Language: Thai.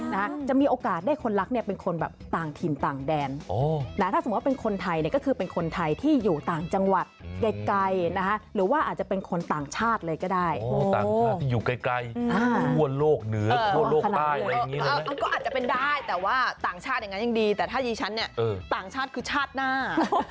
ก็อาจจะเป็นได้แต่ว่าต่างชาติยังดีแต่ถ้าจี๊ฉันเนี่ยต่างชาติคือชาติหน้า